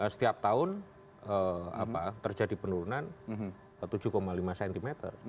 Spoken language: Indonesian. setiap tahun terjadi penurunan tujuh lima cm